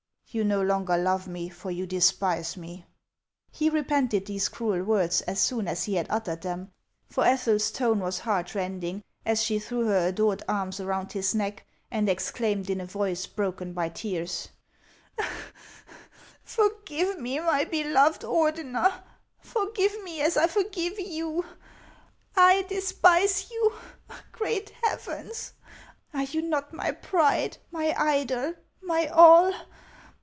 " You no longer love me, for you despise me." He repented these cruel words as soon as he had uttered them ; for Ethel's tone was heart rending, as she threw her HANS OF ICELAND. 463 adored arms around his neck, and exclaimed in a voice broken by tears :" Forgive me, my beloved Ordener ; for give me as I forgive you. I despise you ! Great heavens ! Are you not my pride, my idol, my all